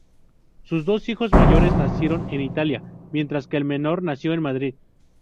Sus dos hijos mayores nacieron en Italia, mientras que el menor nació en Madrid.